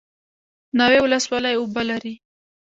ناوې ولسوالۍ اوبه لري؟